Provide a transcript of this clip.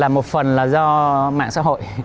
một phần là do mạng xã hội